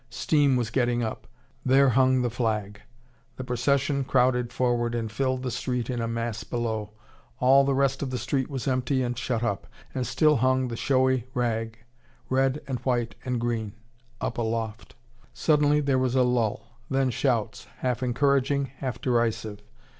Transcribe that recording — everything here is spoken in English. Steam was getting up. There hung the flag. The procession crowded forward and filled the street in a mass below. All the rest of the street was empty and shut up. And still hung the showy rag, red and white and green, up aloft. Suddenly there was a lull then shouts, half encouraging, half derisive.